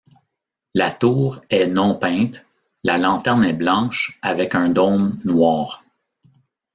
La tour est non peinte, la lanterne est blanche avec un dôme noir.